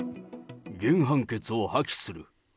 原判決を破棄する。